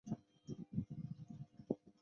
攀援天门冬是天门冬科天门冬属的植物。